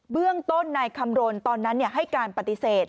เรื่องต้นนายคำรณตอนนั้นให้การปฏิเสธ